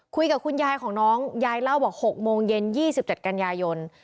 คุยกับคุณยายของน้องยายเล่าบอก๖โมงเย็น๒๗กันยายน